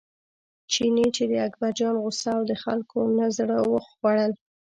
چیني چې د اکبرجان غوسه او د خلکو نه زړه خوړل.